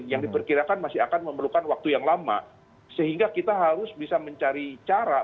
yang diperkirakan masih akan memerlukan waktu yang lama sehingga kita harus bisa mencari cara